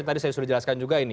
tadi saya sudah jelaskan juga ini